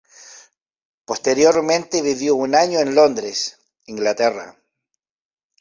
Posteriormente vivió un año en Londres, Inglaterra.